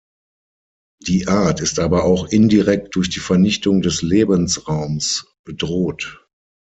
Die Art ist aber auch indirekt durch die Vernichtung des Lebensraums bedroht.